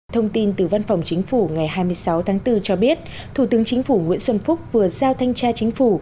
thông tin từ văn phòng chính phủ ngày hai mươi sáu tháng bốn cho biết thủ tướng chính phủ nguyễn xuân phúc vừa giao thanh tra chính phủ